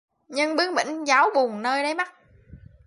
Nhưng bướng bỉnh giấu buồn nơi đáy mắt